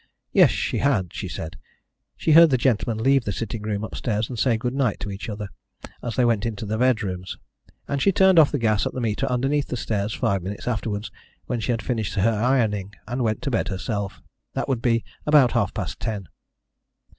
Yes, she had, she said. She heard the gentlemen leave the sitting room upstairs and say good night to each other as they went to their bedrooms, and she turned off the gas at the meter underneath the stair five minutes afterwards, when she had finished her ironing, and went to bed herself. That would be about half past ten.